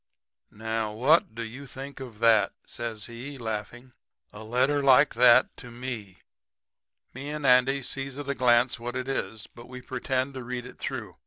"'Now, what do you think of that?' says he, laughing 'a letter like that to ME!' "Me and Andy sees at a glance what it is; but we pretend to read it through.